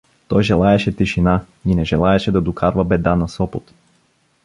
Той желаеше тишина и не желаеше да докарва беда на Сопот.